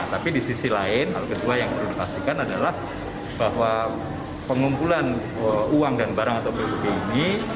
tapi di sisi lain hal kedua yang perlu dipastikan adalah bahwa pengumpulan uang dan barang atau bup ini